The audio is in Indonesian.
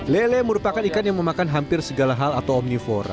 lele merupakan ikan yang memakan hampir segala hal atau omnivora